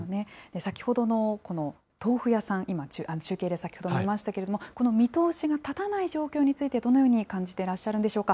先ほどのこの豆腐屋さん、今、中継で、先ほど見ましたけれども、この見通しが立たない状況について、どのように感じてらっしゃるんでしょうか。